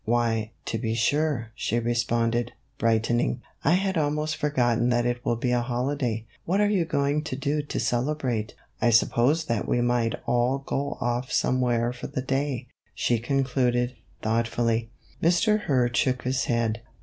" Why, to be sure," she responded, brightening. " I had almost forgotten that it will be a holiday ; what are you going to do to celebrate ? I suppose that we might all go off somewhere for the day," she concluded, thoughtfully. Mr. Hurd shook his head.